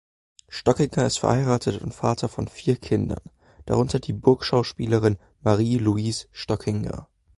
Stockinger ist verheiratet und Vater von vier Kindern, darunter die Burgschauspielerin Marie-Luise Stockinger.